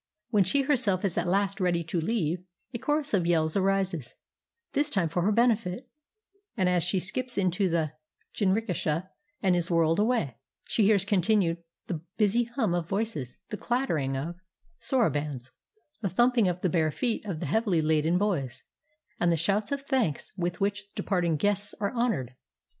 When she herself is at last ready to leave, a chorus of yells arises, this time for her benefit; and as she skips into the jinrikisha and is whirled away, she hears continued the busy hum of voices, the clattering of sorobans, the thumping of the bare feet of the heavily laden boys, and the loud shouts of thanks with which departing guests are honored.